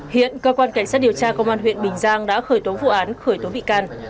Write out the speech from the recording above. hiện cơ quan cảnh sát điều tra công an huyện bình giang đã khởi tố vụ án khởi tố bị can